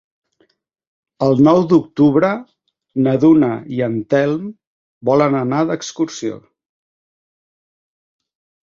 El nou d'octubre na Duna i en Telm volen anar d'excursió.